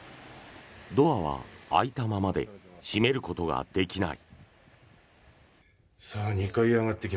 ドアは開いたままで閉めることができない。